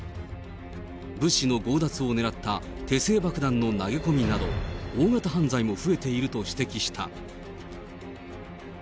物資の強奪を狙った手製爆弾の投げ込みなど、大型犯罪も増えていると指摘した。